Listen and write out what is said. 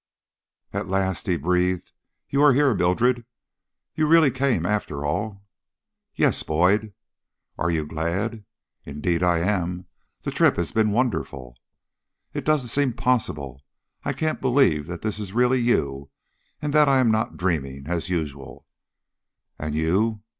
"At last!" he breathed. "You are here, Mildred. You really came, after all?" "Yes, Boyd." "And are you glad?" "Indeed I am. The trip has been wonderful." "It doesn't seem possible. I can't believe that this is really you that I am not dreaming, as usual." "And you?